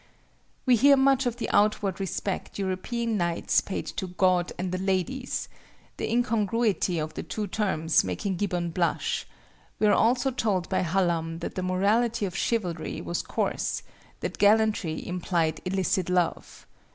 We hear much of the outward respect European knights paid to "God and the ladies,"—the incongruity of the two terms making Gibbon blush; we are also told by Hallam that the morality of Chivalry was coarse, that gallantry implied illicit love.